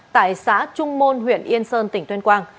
tại xã trung môn huyện yên sơn tỉnh tuyên quang